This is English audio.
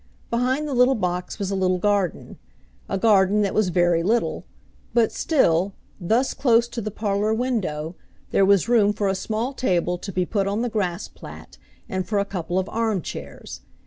Behind the little box was a little garden, a garden that was very little; but, still, thus close to the parlour window, there was room for a small table to be put on the grass plat, and for a couple of armchairs.